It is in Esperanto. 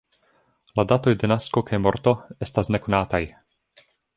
La datoj de nasko kaj morto estas nekonataj.